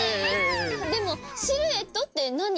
でもシルエットって何？